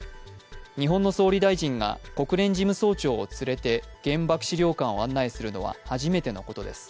日本の総理大臣が国連事務総長を連れて原爆資料館を案内するのは初めてのことです。